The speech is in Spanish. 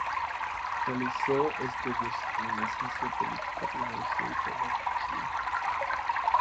Realizó estudios de ciencia política, teología y pedagogía.